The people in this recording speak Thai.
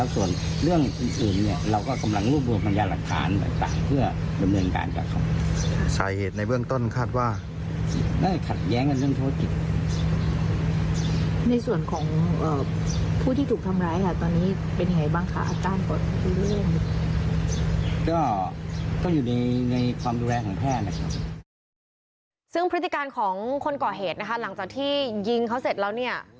ซึ่งพฤติการของคนก่อเหตุนะคะหลังจากที่ยิงเขาเสร็จแล้วเนี่ย